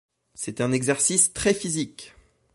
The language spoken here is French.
C'est un exercice très physique!